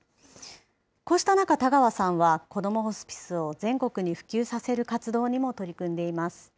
こうした中、田川さんはこどもホスピスを全国に普及させる活動にも取り組んでいます。